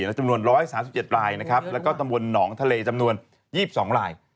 และจำนวน๑๓๗ลายนะครับแล้วก็ตำบลหนองทะเลจำนวน๒๒ลาย